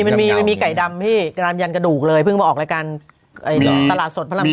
มันมีไก่ดำพี่กรามยันกระดูกเลยเพิ่งมาออกรายการตลาดสดพระราม๔